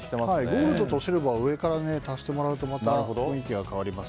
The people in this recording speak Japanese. ゴールドとシルバー上から足してもらうとまた雰囲気が変わります。